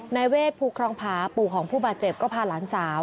เวทภูครองผาปู่ของผู้บาดเจ็บก็พาหลานสาว